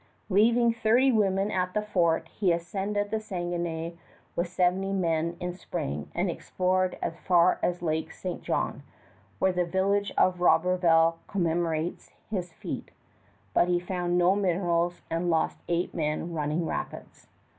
Leaving thirty women at the fort, he ascended the Saguenay with seventy men in spring and explored as far as Lake St. John, where the village of Roberval commemorates his feat; but he found no minerals and lost eight men running rapids.